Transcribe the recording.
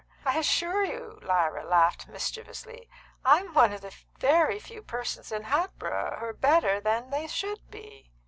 I assure you" Lyra laughed mischievously "I'm one of the very few persons in Hatboro' who are better than they should be."